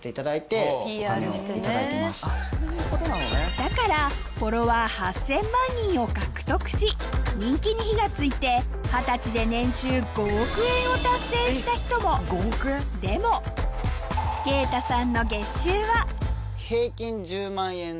だからフォロワー８０００万人を獲得し人気に火が付いて二十歳で年収５億円を達成した人もでもそのへん。